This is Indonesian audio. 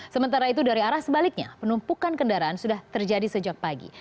sementara itu dari arah sebaliknya penumpukan kendaraan sudah terjadi sejak pagi